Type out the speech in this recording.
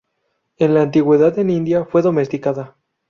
En la antigüedad en India, fue domesticada.